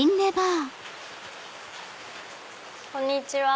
こんにちは。